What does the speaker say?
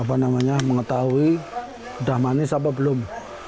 ini untuk mengetahui sudah manis atau belum